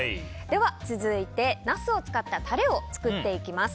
では続いて、ナスを使ったタレを作っていきます。